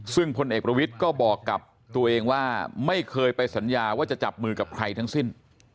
ซึ่งพลเอกประวิทย์ก็บอกกับตัวเองว่าไม่เคยไปสัญญาว่าจะจับมือกับใครทั้งสิ้น